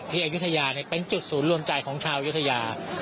เฮียอยุธยาเนี่ยเป็นจุดศูนย์รวมใจของชาวยุธยา